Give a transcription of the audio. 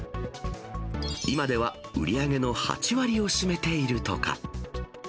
今では売り上げの８割を占めているとか。